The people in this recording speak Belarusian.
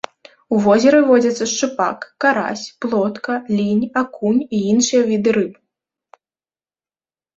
У возеры водзяцца шчупак, карась, плотка, лінь, акунь і іншыя віды рыб.